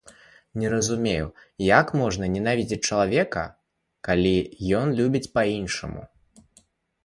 Не разумею, як можна ненавідзець чалавека, калі ён любіць па-іншаму?